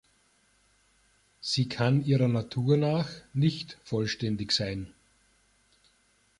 Sie kann ihrer Natur nach nicht vollständig sein.